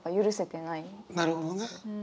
なるほどね。